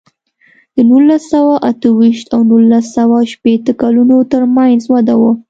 د نولس سوه اته ویشت او نولس سوه شپېته کلونو ترمنځ وده وه.